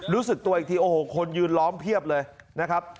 รู้สึกตัวอีกทีโอ้โหคนยืนล้อมเพียบเลยนะครับ